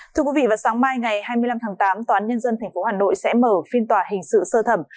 thưa quý vị vào sáng mai ngày hai mươi năm tháng tám tòa án nhân dân tp hà nội sẽ mở phiên tòa hình sự sơ thẩm